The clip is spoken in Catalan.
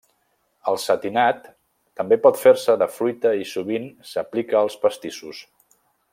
El setinat també pot fer-se de fruita i sovint s'aplica als pastissos.